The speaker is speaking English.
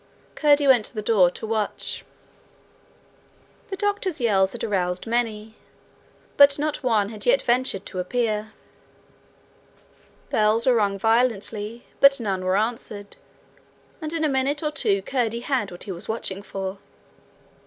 Curdie went to the door to watch. The doctor's yells had aroused many, but not one had yet ventured to appear. Bells were rung violently, but none were answered; and in a minute or two Curdie had what he was watching for.